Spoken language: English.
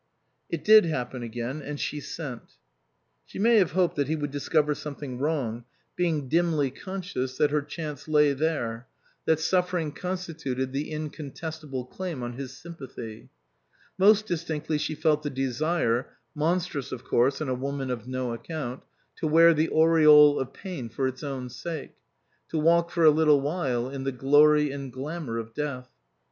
It did happen again, and she sent. She may have hoped that he would discover something wrong, being dimly conscious that 297 SUPERSEDED her chance lay there, that suffering constituted the incontestable claim on his sympathy ; most distinctly she felt the desire (monstrous of course in a woman of no account) to wear the aureole of pain for its own sake ; to walk for a little while in the glory and glamour of death.